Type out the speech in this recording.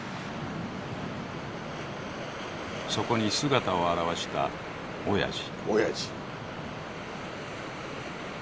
そこに姿を現したおやじ。